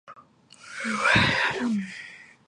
Symonette is also an established real estate broker.